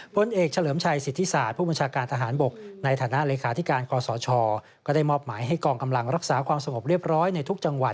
พลเอกเฉลิมชัยสิทธิศาสตร์ผู้บัญชาการทหารบกในฐานะเลขาธิการกศชก็ได้มอบหมายให้กองกำลังรักษาความสงบเรียบร้อยในทุกจังหวัด